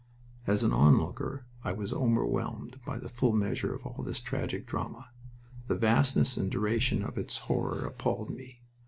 As an onlooker I was overwhelmed by the full measure of all this tragic drama. The vastness and the duration of its horror appalled me.